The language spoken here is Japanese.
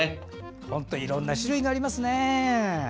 本当にいろんな種類がありますね。